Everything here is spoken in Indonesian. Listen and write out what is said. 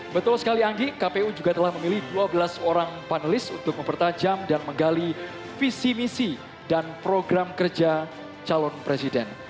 betul sekali anggi kpu juga telah memilih dua belas orang panelis untuk mempertajam dan menggali visi misi dan program kerja calon presiden